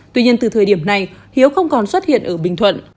tuy nhiên từ thời điểm này hiếu không còn xuất hiện ở bình thuận